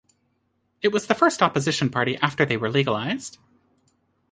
It was the first opposition party after they were legalized.